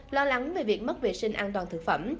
lo lắng về việc mất vệ sinh an toàn thực phẩm